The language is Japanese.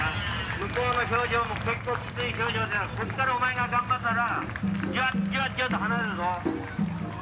向こうの表情も結構きつい表情だから、ここからお前が頑張ったら、じわっ、じわじわと離れるぞ。